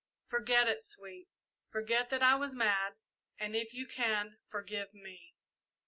Forget it, Sweet, forget that I was mad, and if you can, forgive me!"